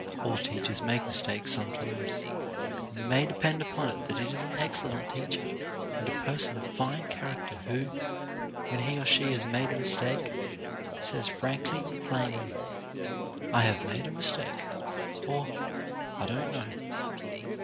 All teachers make mistakes sometimes, and you may depend upon it that it is an excellent teacher and a person of fine character who, when he or she has made a mistake, says frankly and plainly, "I have made a mistake, " or "I don't know.